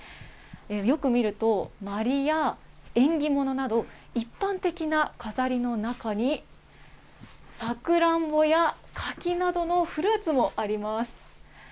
よく見ると、まりや縁起物など、一般的な飾りの中に、さくらんぼや柿などのフルーツもあります。